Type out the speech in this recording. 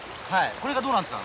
これがどうなるんですか？